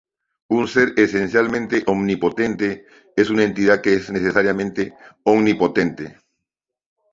Un ser esencialmente omnipotente es una entidad que es necesariamente omnipotente.